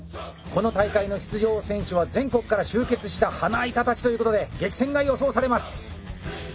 この大会の出場選手は全国から集結した花板たちということで激戦が予想されます！